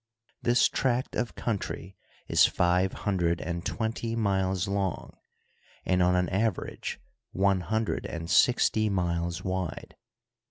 This tract of country is five hundred and twenty miles long, and on an average one hundred and sixty miles wide.